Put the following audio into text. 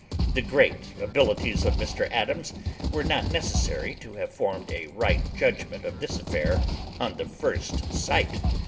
The great abilities of Mr Adams were not necessary to have formed a right judgment of this affair on the first sight.